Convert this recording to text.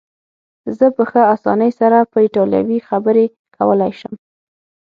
زه په ښه اسانۍ سره په ایټالوي خبرې کولای شم.